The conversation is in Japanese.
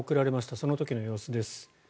その時の様子です。